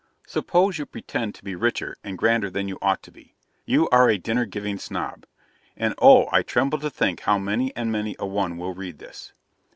Suppose you pretend to be richer and grander than you ought to be you are a Dinner giving Snob. And oh, I tremble to think how many and many a one will read this!